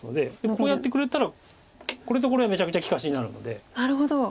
こうやってくれたらこれとこれはめちゃくちゃ利かしになるので。